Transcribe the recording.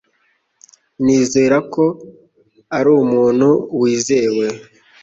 Nizera ko ari umuntu wizewe.